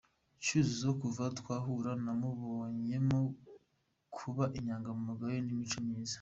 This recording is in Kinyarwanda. Cyuzuzo kuva twahura namubonyemo kuba inyangamugayo n’imico myiza.